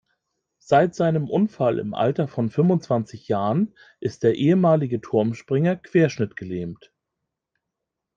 Seit seinem Unfall im Alter von fünfundzwanzig Jahren ist der ehemalige Turmspringer querschnittsgelähmt.